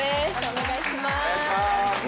お願いします。